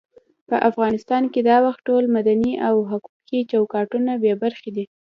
په افغانستان کې دا وخت ټول مدني او حقوقي چوکاټونه بې برخې دي.